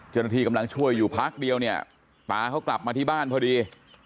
เจ้าหน้าที่กำลังช่วยอยู่พักเดียวเนี่ยตาเขากลับมาที่บ้านพอดี